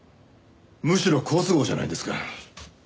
むしろ好都合じゃないですか。